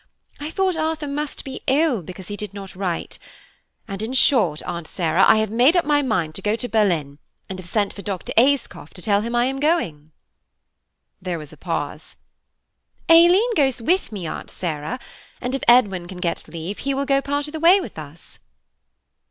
I thought Arthur must be ill because he did not write–and in short, Aunt Sarah, I have made up my mind to go to Berlin, and have sent for Dr. Ayscough to tell him I am going." There was a pause. "Aileen goes with me, Aunt Sarah, and if Edwin can get leave, he will go part of the way with us."